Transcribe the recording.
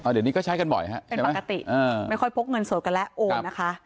เดี๋ยวนี้ก็ใช้กันบ่อยฮะเป็นปกติไม่ค่อยพกเงินสดกันแล้วโอนนะคะ